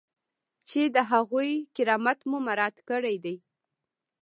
چې د هغوی کرامت مو مراعات کړی دی.